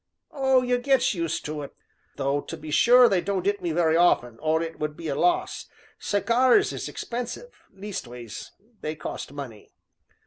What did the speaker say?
"Oh! you gets used to it though, to be sure, they don't 'it me very often, or it would be a loss; cigars is expensive leastways they costs money."